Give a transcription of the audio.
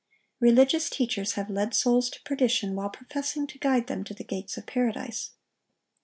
Religious teachers have led souls to perdition while professing to guide them to the gates of Paradise.